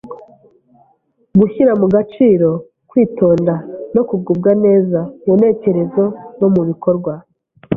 gushyira mu gaciro, kwitonda, no kugubwa neza mu ntekerezo no mu bikorwa